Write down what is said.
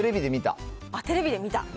テレビで見た。